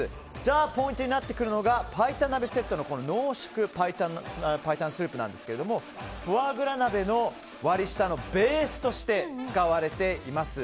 ポイントになってくるのが白湯鍋セットの濃縮白湯スープなんですがフォアグラ鍋の割り下のベースとして使われています。